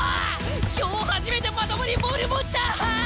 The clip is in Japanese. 今日初めてまともにボール持った！